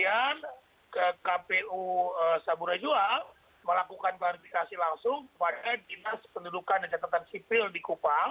dan kemudian kpu saburai jua melakukan klarifikasi langsung pada dinas pendudukan dan catatan sipil di kupang